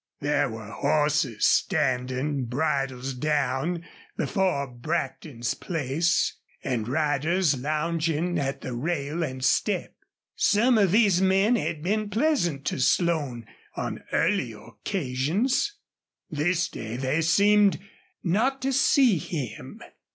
There were horses standing, bridles down, before Brackton's place, and riders lounging at the rail and step. Some of these men had been pleasant to Slone on earlier occasions. This day they seemed not to see him.